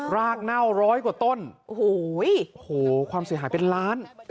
รากเน่าร้อยกว่าต้นโอ้โหความเสียหายเป็นล้าน